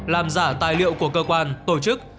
làm giả tài liệu của cơ quan tổ chức